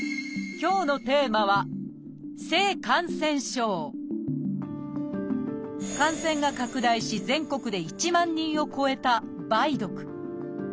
今日のテーマは感染が拡大し全国で１万人を超えた「梅毒」。